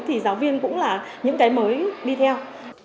thì giáo viên cũng là những cái mới đi theo